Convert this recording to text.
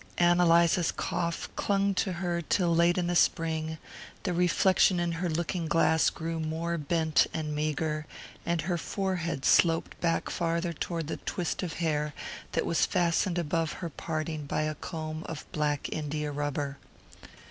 Ann Eliza's cough clung to her till late in the spring, the reflection in her looking glass grew more bent and meagre, and her forehead sloped back farther toward the twist of hair that was fastened above her parting by a comb of black India rubber.